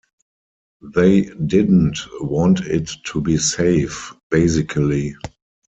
They didn't want it to be safe, basically.